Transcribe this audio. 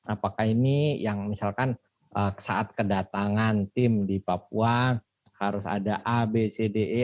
apakah ini yang misalkan saat kedatangan tim di papua harus ada a b c d e